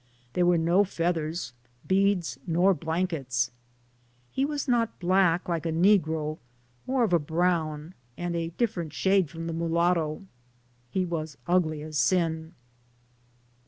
There were no feathers, beads nor blankets. He was not black like a negro, more of a brown, and a different shade from the mulatto. He was ugly as sin.